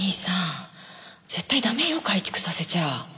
絶対駄目よ改築させちゃ。